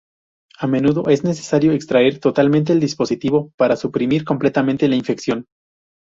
A menudo es necesario extraer totalmente el dispositivo para suprimir completamente la infección.